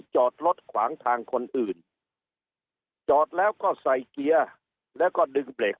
จอดรถขวางทางคนอื่นจอดแล้วก็ใส่เกียร์แล้วก็ดึงเบรก